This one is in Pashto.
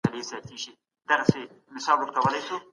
د نورو خلګو تر شا هيڅکله بدي خبري مه کوه.